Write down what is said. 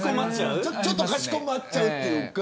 ちょっとかしこまっちゃうというか。